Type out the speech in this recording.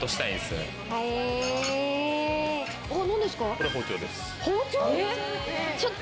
これ包丁です。